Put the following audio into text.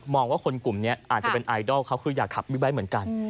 ว่าคนกลุ่มนี้อาจจะเป็นไอดอลเขาคืออยากขับบิ๊กไบท์เหมือนกัน